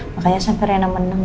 makanya sampai rena menang